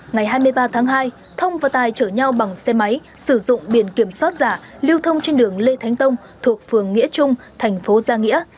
ngày hai mươi ba tháng hai thông và tài chở nhau bằng xe máy sử dụng biển kiểm soát giả lưu thông trên đường lê thánh tông thuộc phường nghĩa trung thành phố gia nghĩa